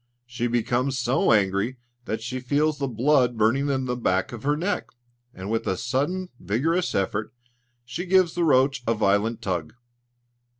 She becomes so angry that she feels the blood burning in the back of her neck, and with a sudden vigorous effort, she gives the roach a violent tug.